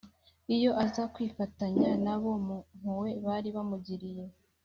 Iyo aza kwifatanya na bo mu mpuhwe bari bamugiriye